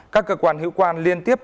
các cơ quan hữu quan liên tiếp